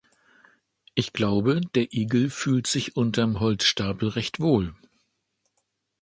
Ich glaube, der Igel fühlt sich unterm Holzstapel recht wohl.